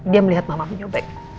dia melihat mama menyobek